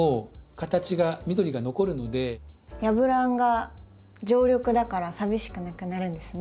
ヤブランが常緑だから寂しくなくなるんですね。